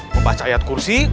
membaca ayat kursi